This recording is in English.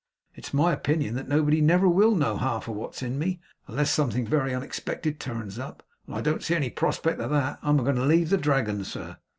It's my opinion that nobody never will know half of what's in me, unless something very unexpected turns up. And I don't see any prospect of that. I'm a going to leave the Dragon, sir.